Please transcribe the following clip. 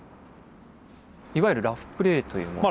いわゆるラフプレーという？